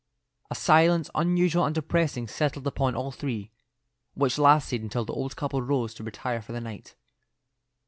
A silence unusual and depressing settled upon all three, which lasted until the old couple rose to retire for the night.